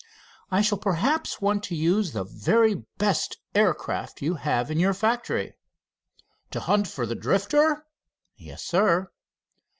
"I shall perhaps want to use the very best aircraft you have in your factory." "To hunt for the Drifter?" "Yes, Sir."